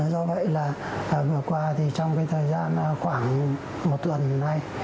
do vậy là vừa qua thì trong cái thời gian khoảng một tuần như thế này